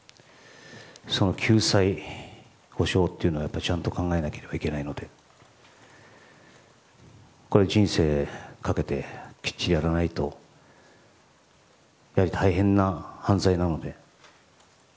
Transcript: その救済、補償というのはちゃんと考えなければいけないのでこれは人生をかけてきっちりやらないとやはり、大変な犯罪なので。